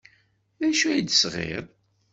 D acu ay d-tesɣid?